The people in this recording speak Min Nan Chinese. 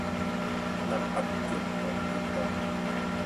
南北共同聯絡